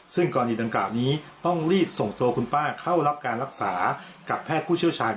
ซึ่งกรณีดังกล่าวนี้ต้องรีบส่งตัวคุณป้าเข้ารับการรักษากับแพทย์ผู้เชี่ยวชาญ